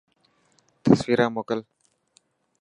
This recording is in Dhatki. تصويران موڪل.